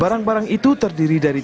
barang barang itu terjadi di indonesia